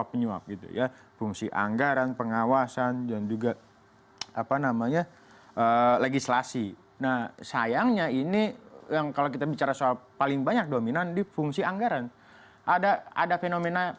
eson ada yang ditanyakan